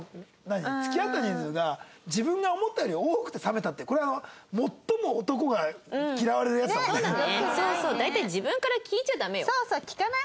付き合った人数が自分が思ったより多くて冷めたってこれは最も男が嫌われるやつだもんね。